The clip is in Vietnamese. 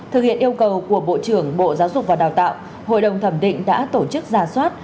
thực hiện yêu cầu của bộ trưởng bộ giáo dục và đào tạo hội đồng thẩm định đã tổ chức giả soát